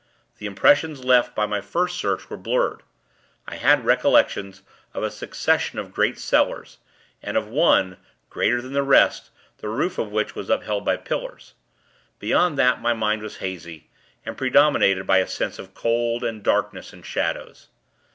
The impressions left by my first search were blurred. I had recollections of a succession of great cellars, and of one, greater than the rest, the roof of which was upheld by pillars; beyond that my mind was hazy, and predominated by a sense of cold and darkness and shadows.